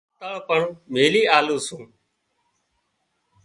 آ تۯ پڻ ميلي آلوون سون